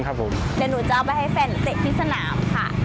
เดี๋ยวหนูจะเอาไปให้วัฒนศักดีสนามค่ะ